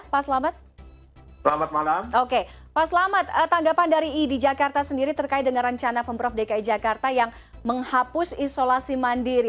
pak selamat tanggapan dari idi jakarta sendiri terkait dengan rencana pemprov dki jakarta yang menghapus isolasi mandiri